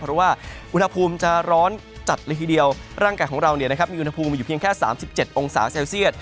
เพราะว่าอุณหภูมิจะร้อนจัดเลยทีเดียวร่างกายของเรามีอุณหภูมิอยู่เพียงแค่๓๗องศาเซลเซียต